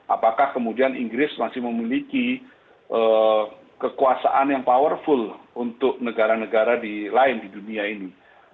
apakah kemudian inggris masih memiliki kekuasaan yang powerful untuk negara negara lain di dunia ini